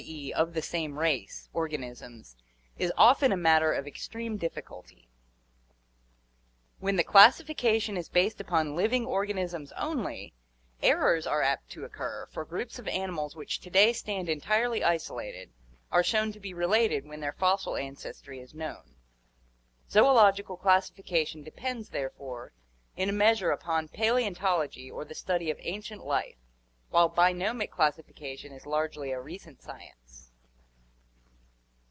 e., of the same race) organisms is often a matter of extreme difficulty. When the classification is based upon living organisms only, errors are also apt to occur, for groups of animals which to day stand entirely isolated are shown to be related when their fossil ancestry is known. Zoological classification depends therefore in a measure upon Paleontology or the study of ancient life, while bionomic classification is largely a recent science.